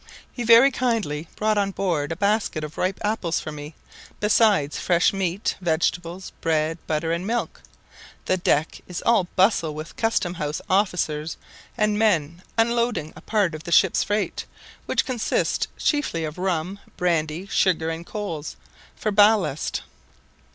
He very kindly brought on board a basket of ripe apples for me, besides fresh meat, vegetables, bread, butter, and milk. The deck is all bustle with custom house officers, and men unloading a part of the ship's freight, which consists chiefly of rum, brandy, sugar, and coals, for ballast.